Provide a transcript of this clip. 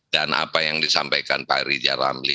dan apa yang disampaikan pak rijal ramli